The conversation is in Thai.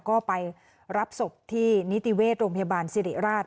ก็ไปรับศพที่นิติเวชโรงพยาบาลสิริราช